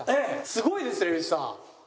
すごいですね蛭子さん。